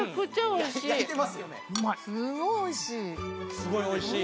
すごい美味しい？